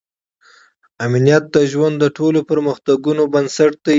امنیت د ژوند د ټولو پرمختګونو بنسټ دی.